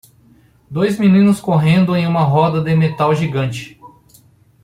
Dois meninos correndo em uma roda de metal gigante.